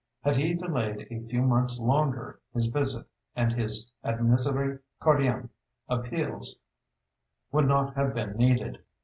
Had he delayed a few months longer, his visit and his ad miseri cordiam appeals would not have been needed.